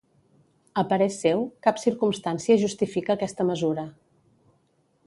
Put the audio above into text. A parer seu, cap circumstància justifica aquesta mesura.